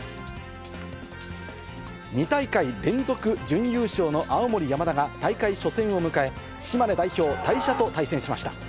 ２大会連続準優勝の青森山田が大会初戦を迎え、島根代表、大社と対戦しました。